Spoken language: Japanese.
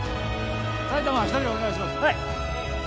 埼玉１人お願いします